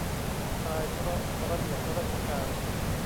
ตายเพราะระเบียบราชการ